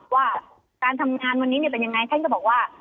ว่าการทำงานวันนี้เป็นยังไงท่านก็บอกว่า